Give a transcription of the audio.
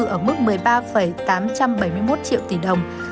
ở mức một mươi ba tám trăm bảy mươi một triệu tỷ đồng